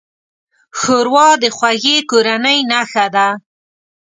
ښوروا د خوږې کورنۍ نښه ده.